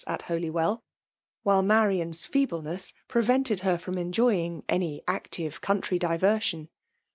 at Hol^ well, while Marian's feebleness prevented her fiPMi 4ainjoying any active country diversion.